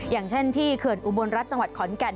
อย่างเช่นที่เขื่อนอุบลรัฐจังหวัดขอนแก่น